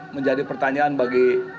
menjadi pertanyaan bagi